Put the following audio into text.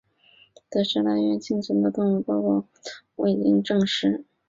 在砂拉越幸存的动物报告则还未经证实。